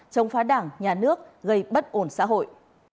chống phá đảng nhà nước gây bất ổn xã hội